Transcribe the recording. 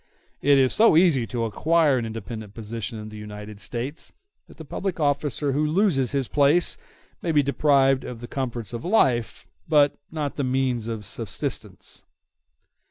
It is so easy to acquire an independent position in the United States that the public officer who loses his place may be deprived of the comforts of life, but not of the means of subsistence.